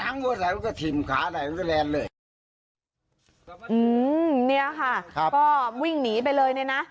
นี่แล้วค่ะก็วิ่งหนีไปเลยนะ